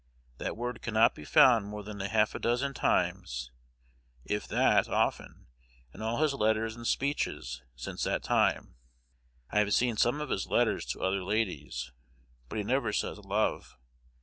_' That word cannot be found more than a half dozen times, if that often, in all his letters and speeches since that time. I have seen some of his letters to other ladies, but he never says 'love.'